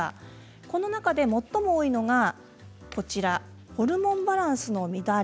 この中で最も多いのがホルモンバランスの乱れ。